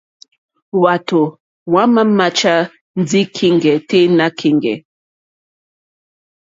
Hwátò hwámà máchá ndí kíŋgɛ̀ tɛ́ nà kíŋgɛ̀.